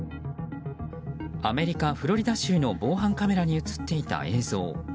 アメリカ・フロリダ州の防犯カメラに映っていた映像。